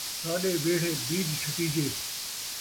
ساݙے ویڑھے بیج چھٹیجے